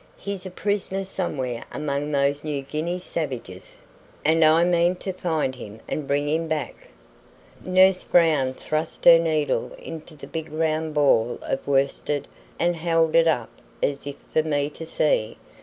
"He's a prisoner somewhere among those New Guinea savages, and I mean to find him and bring him back." Nurse Brown thrust her needle into the big round ball of worsted, and held it up as if for me to see.